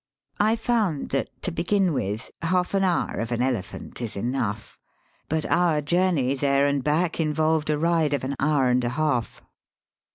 I found that, to begin with, half an hour of an elephant is enough. But our journey there and back involved a ride of an hour and a half.